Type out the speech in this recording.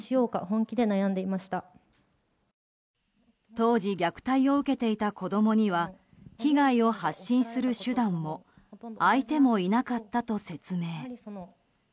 当時、虐待を受けていた子供には被害を発信する手段も相手もいなかったと説明。